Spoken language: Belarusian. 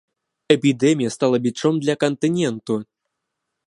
Эпідэмія стала бічом для кантыненту.